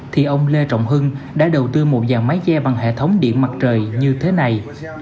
thì ông lê trọng hưng đã đầu tư một dàn máy che bằng hệ thống điện mặt trời như thế này